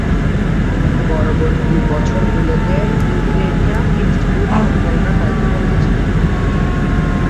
পরবর্তী বছর গুলোতে ক্যুরি রেডিয়াম ইন্সটিটিউট পরিচালনার দায়িত্বে ছিলেন।